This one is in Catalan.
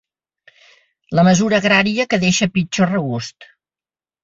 La mesura agrària que deixa pitjor regust.